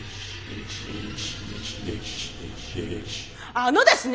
あのですね！